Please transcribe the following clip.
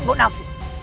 sebenarnya apa maumu